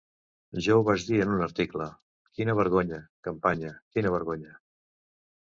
Ja ho vaig dir en un article: ‘quina vergonya, campanya, quina vergonya’.